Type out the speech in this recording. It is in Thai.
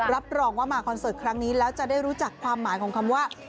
รับรองว่ามาคอนเสิร์ตครั้งนี้แล้วจะได้รู้จักความหมายของคำว่า